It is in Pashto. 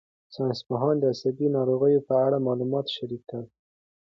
ساینسپوهان د عصبي ناروغیو په اړه معلومات شریک کړل.